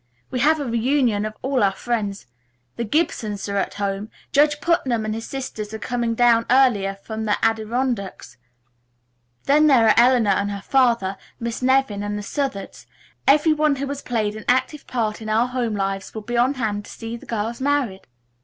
"We'll have a reunion of all our friends. The Gibsons are at home, Judge Putnam and his sister are coming down earlier from the Adirondacks; then there are Eleanor and her father, Miss Nevin and the Southards. Every one who has played an active part in our home lives will be on hand to see the girls married."